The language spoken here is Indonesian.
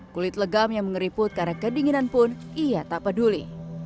kulit legam yang mengeriput karena kedinginan pun ia tak peduli